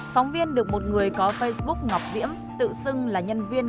phóng viên được một người có facebook ngọc diễm tự xưng là nhân viên